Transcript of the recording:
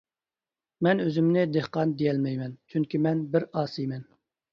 مەن ئۆزۈمنى دېھقان دېيەلمەيمەن، چۈنكى مەن بىر ئاسىيمەن.